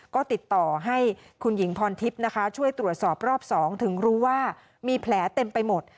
ก็ติดต่อให้คุณหญิงพรทิพย์นะคะช่วยตรวจสอบรอบ๒ถึงรู้ว่ามีแผลเต็มไปหมด